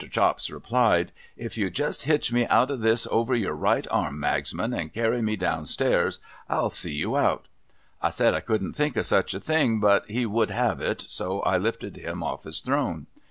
Chops rejjlied, ' If you'll just hitch me out of this over your right arm, ISIagsman, and carry me down stairs, I'll see you out.' I said I couldn't think of such a thing, but he would have it, so I lifted him oft^ his throne.